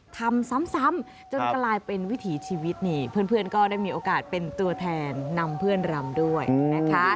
ทำซ้ำจนกลายเป็นวิถีชีวิตนี่เพื่อนก็ได้มีโอกาสเป็นตัวแทนนำเพื่อนรำด้วยนะคะ